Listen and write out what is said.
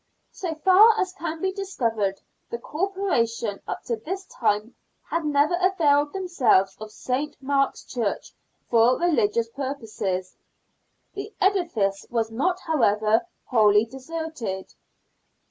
So far as can be discovered, the Corporation up to this time had never availed themselves of St. Mark's Church for religious purposes. The edifice was not, however, wholly deserted.